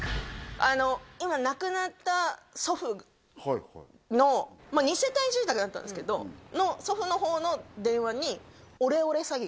あの今亡くなった祖父のまあ２世帯住宅だったんですけどの祖父の方の電話におお！